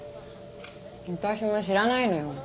私も知らないのよ。